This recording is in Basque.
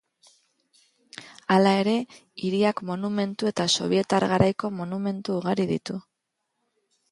Hala ere, hiriak monumentu eta sobietar garaiko monumentu ugari ditu.